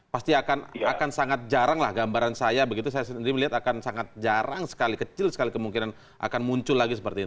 pasti akan sangat jarang lah gambaran saya begitu saya sendiri melihat akan sangat jarang sekali kecil sekali kemungkinan akan muncul lagi seperti ini